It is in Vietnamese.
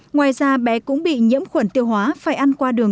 ngoài ra bé cũng bị nhiễm khuẩn